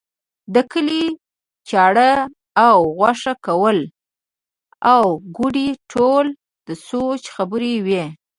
د کلي چاړه او غوښه کول او کوډې ټول د سوچ خبرې وې.